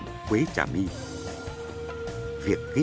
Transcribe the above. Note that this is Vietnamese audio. việc ghi nhận quế trả my là một trong những điều rất quan trọng